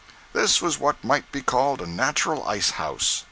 This was what might be called a natural ice house.